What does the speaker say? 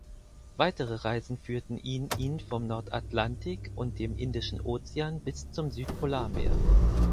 Weitere Reisen führten ihn ihn vom Nordatlantik und dem Indischen Ozean bis zum Südpolarmeer.